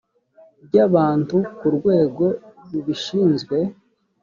ry abantu ku rwego rubishinzwe